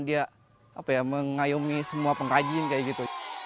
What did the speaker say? dia mengayomi semua pengrajin kayak gitu